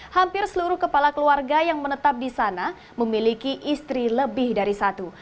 hampir seluruh kepala keluarga yang menetap di sana memiliki istri lebih dari satu